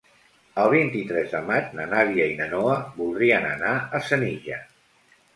El vint-i-tres de maig na Nàdia i na Noa voldrien anar a Senija.